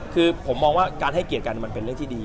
คือผมมองว่าการให้เกียรติกันมันเป็นเรื่องที่ดี